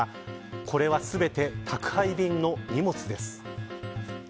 これは全て、宅配便の荷物です。